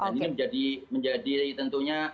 dan ini menjadi tentunya